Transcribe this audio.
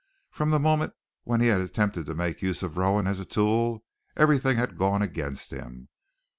From the moment when he had attempted to make use of Rowan as a tool, everything had gone against him.